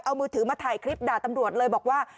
เอามือถือมาถ่ายคลิปด่าตำรวจเลยบอกว่า